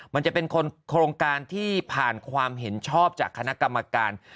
มันจะเป็นโครงการที่ผ่านความเห็นชอบจากคณะกรรมการ